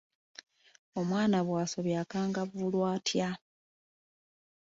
Omwana bw'asobya akangavvulwa atya?